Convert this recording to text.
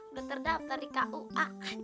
udah terdaftar di kua